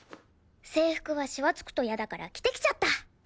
制服はしわ付くと嫌だから着てきちゃった！